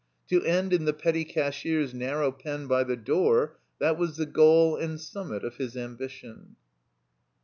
To end in the petty cashier's narrow pen by the door, that was the goal and summit of his ambition.